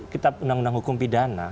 kitab undang undang hukum pidana